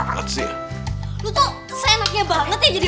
kalo lo emang bisa masak aja sendiri